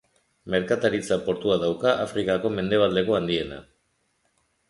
Merkataritza portua dauka, Afrikako mendebaleko handiena.